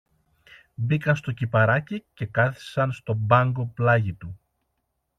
Μπήκαν στο κηπαράκι και κάθισαν στον μπάγκο πλάγι του.